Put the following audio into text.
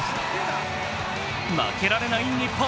負けられない日本。